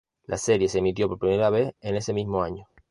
La serie se emitió por primera vez en ese mismo año.